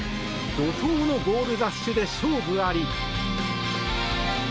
怒とうのゴールラッシュで勝負あり。